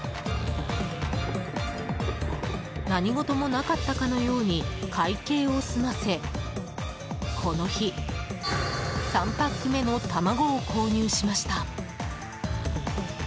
何事もなかったかのように会計を済ませこの日、３パック目の卵を購入しました。